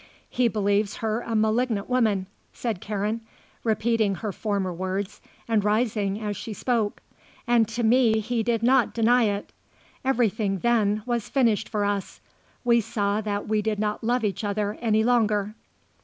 He believes her a malignant woman," said Karen, repeating her former words and rising as she spoke. "And to me he did not deny it. Everything, then, was finished for us. We saw that we did not love each other any longer."